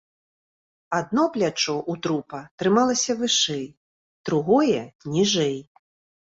Адно плячо ў трупа трымалася вышэй, другое ніжэй.